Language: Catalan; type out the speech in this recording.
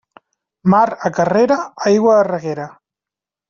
Mar a carrera, aigua a reguera.